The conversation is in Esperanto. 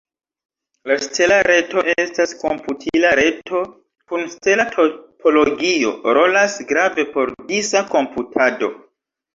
La stela reto estas komputila reto kun stela topologio, rolas grave por disa komputado.